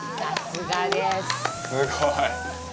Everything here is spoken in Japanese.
すごい。